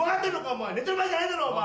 お前寝てる場合じゃないだろ？